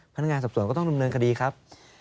พนักงานสอบสวนก็ต้องดำเนินคดีครับ